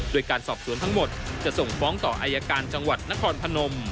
โดยการสอบสวนทั้งหมดจะส่งฟ้องต่ออายการจังหวัดนครพนม